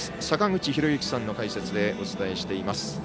坂口裕之さんの解説でお伝えしています。